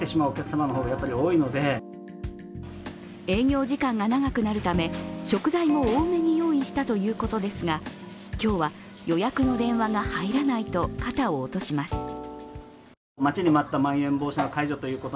営業時間が長くなるため食材も多めに用意したということですが、今日は予約の電話が入らないと肩を落とします。